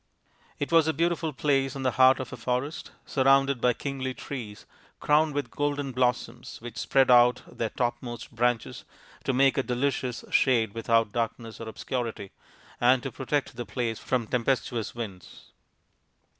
It was a beautiful place in the heart of a forest, surrounded by kingly trees crowned with golden blossoms which spread out their topmost branches to make a delicious shade without darkness or obscurity, and to protect the place from tempestuous winds.